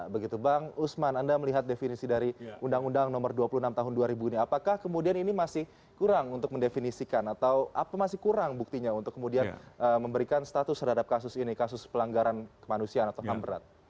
begitu bang usman anda melihat definisi dari undang undang nomor dua puluh enam tahun dua ribu ini apakah kemudian ini masih kurang untuk mendefinisikan atau apa masih kurang buktinya untuk kemudian memberikan status terhadap kasus ini kasus pelanggaran kemanusiaan atau ham berat